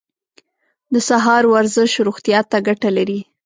د سهار ورزش روغتیا ته ګټه لري.